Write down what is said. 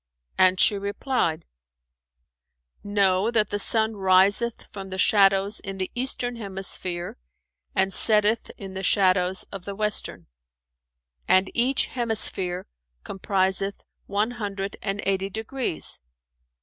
And she replied: "Know that the sun riseth from the shadows in the Eastern hemisphere and setteth in the shadows of the Western, and each hemisphere compriseth one hundred and eighty degrees.